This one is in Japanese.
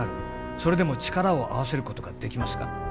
それでも力を合わせることができますか？